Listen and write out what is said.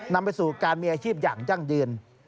นำไปสู่การมีอาชีพอย่างยั่งยืน